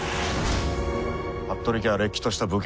服部家はれっきとした武家。